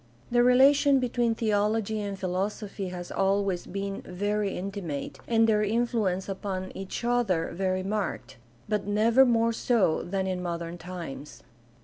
The relation between theology and philosophy has always been very intimate and their influence upon each other very marked, but never more so than in modern times.